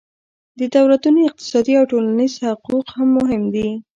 د دولتونو اقتصادي او ټولنیز حقوق هم مهم دي